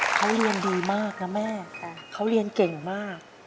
เขาเรียนดีมากนะแม่เขาเรียนเก่งมาก